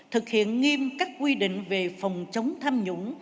thực hiện nghiêm các quy định về phòng chống tham nhũng